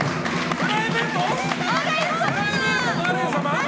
プライベート？